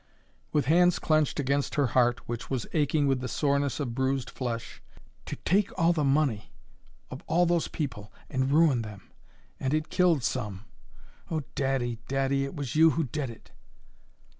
With hands clenched against her heart, which was aching with the soreness of bruised flesh, she whispered, "To take the money of all those people, and ruin them; and it killed some oh, daddy, daddy, it was you who did it!"